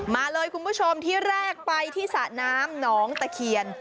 มาเลยคุณผู้ชมที่แรกไปที่สระน้ำหนองตะเคียน